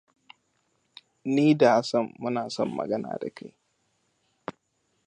Ni da Hassan muna son magana da kai.